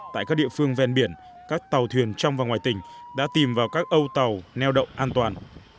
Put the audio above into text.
tại các địa phương ven biển các tàu thuyền trong và ngoài tỉnh đã tìm vào các âu tàu neo đậu an toàn